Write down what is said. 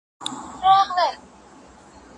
پلار د مېړانې او شهامت هغه نوم دی چي هیڅکله نه هیرېږي.